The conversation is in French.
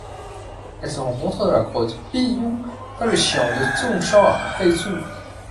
Elle se rencontre dans la grotte Biyun dans le xian de Zhongshan à Hezhou.